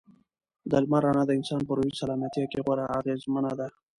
د لمر رڼا د انسان په روحي سلامتیا کې خورا اغېزمنه ده.